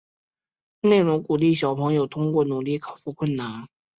内容鼓励小朋友通过努力克服困难。